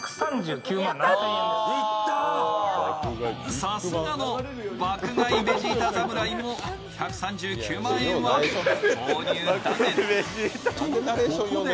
さすがの爆買いベジータ侍も１３９万円は購入断念。